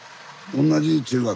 同じ中学？